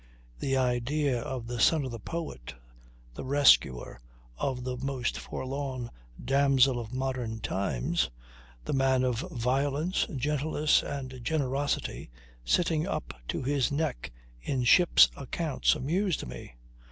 The idea of the son of the poet, the rescuer of the most forlorn damsel of modern times, the man of violence, gentleness and generosity, sitting up to his neck in ship's accounts amused me.